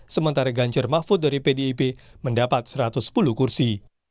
sementara ganjar mahfud dari pdip mendapat satu ratus sepuluh kursi